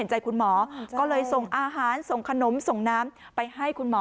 ใจคุณหมอก็เลยส่งอาหารส่งขนมส่งน้ำไปให้คุณหมอ